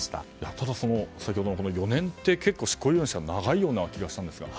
ただ、４年って執行猶予にしては長いような気がしたんですが。